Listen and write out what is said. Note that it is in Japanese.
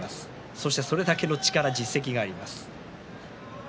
そして、それだけの力と実績があります。